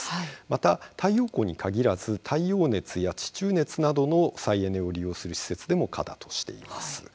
また、太陽光に限らず太陽熱や地中熱などの再エネを利用する施設でも可だとしています。